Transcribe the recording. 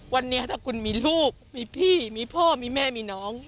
วันนี้ถ้าคุณมีลูกมีพี่มีพ่อมีแม่มีน้อง